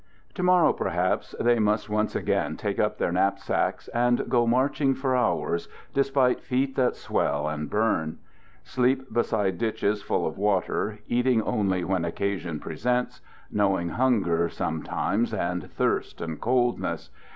... To morrow perhaps they must once again take up their knapsacks, and go marching for hours, despite feet that swell and burn ; sleep beside ditches full of water, eating only when occasion presents, knowing hunger sometimes and thirst and coldness.